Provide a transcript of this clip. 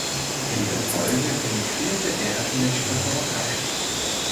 In der Folge emigrierte er in die Tschechoslowakei.